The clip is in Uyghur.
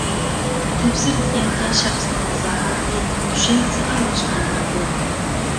تەپسىر دېگەنگە شەخسىنىڭ ئىزاھاتى، چۈشەنچىسى ئارىلاشقان بولىدۇ.